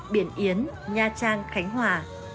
biển yến nha trang khánh hòa